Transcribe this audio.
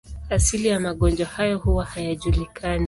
Asili ya magonjwa haya huwa hayajulikani.